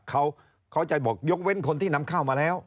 เขาจะบอกยกเว้นคนที่นำเข้ามาแล้ว